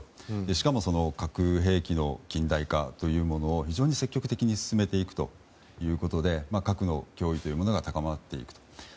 しかも、核兵器の近代化というものを非常に積極的に進めていくということで核の脅威が高まっています。